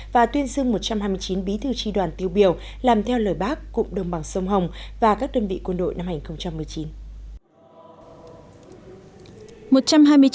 và tuyên dương một trăm hai mươi chín bí thư tri đoàn tiêu biểu làm theo lời bác cụm đồng bằng sông hồng và các đơn vị quân đội năm hai nghìn một mươi chín